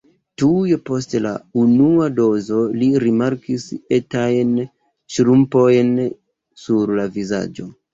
Tuj post la unua dozo li rimarkis etajn ŝrumpojn sur la vizaĝo.